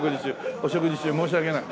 お食事中申し訳ない。